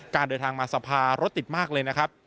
เดินทางมาสภารถติดมากเลยนะครับ